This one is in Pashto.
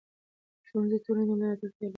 د ښوونځي ټولنې ته د ملاتړ اړتیا لري.